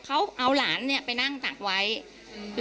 คุณผู้ชมฟังเสียงผู้หญิง๖ขวบโดนนะคะ